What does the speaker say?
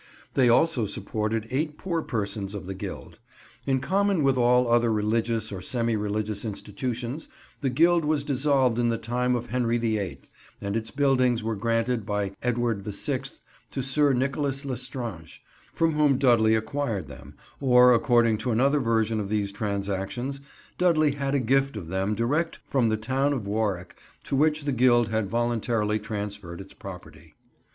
They also supported eight poor persons of the Guild. In common with all other religious, or semi religious institutions, the Guild was dissolved in the time of Henry the Eighth, and its buildings were granted by Edward the Sixth to Sir Nicholas le Strange, from whom Dudley acquired them; or, according to another version of these transactions, Dudley had a gift of them direct from the town of Warwick, to which the Guild had voluntarily transferred its property.